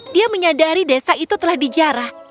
dia menyadari desa itu telah dijarah